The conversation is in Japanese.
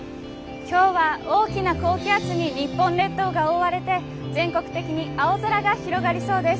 今日は大きな高気圧に日本列島が覆われて全国的に青空が広がりそうです。